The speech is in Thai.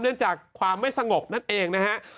เนื่องจากความไม่สงบนั่นเองนะฮะ